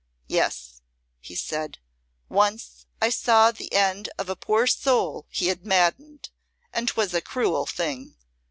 "Yes," he said; "once I saw the end of a poor soul he had maddened, and 'twas a cruel thing."